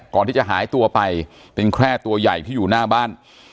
ก่อนที่จะหายตัวไปเป็นแคร่ตัวใหญ่ที่อยู่หน้าบ้าน